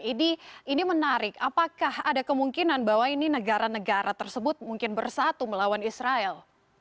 ini menarik apakah ada kemungkinan bahwa ini negara negara tersebut mungkin bersatu melawan israel